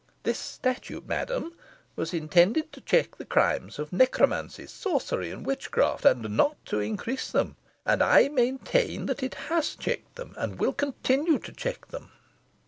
This statute, madam, was intended to check the crimes of necromancy, sorcery, and witchcraft, and not to increase them. And I maintain that it has checked them, and will continue to check them."